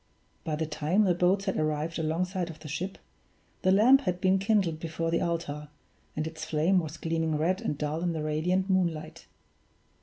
By the time the boats had arrived alongside of the ship, the lamp had been kindled before the altar, and its flame was gleaming red and dull in the radiant moonlight.